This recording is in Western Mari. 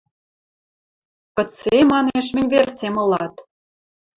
– Кыце, – манеш, – мӹнь верцем ылат?